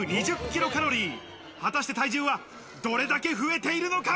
果たして体重はどれだけ増えているのか。